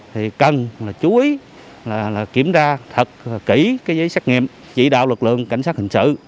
thì cần chú ý kiểm tra thật kỹ giấy xét nghiệm chỉ đạo lực lượng cảnh sát hình sự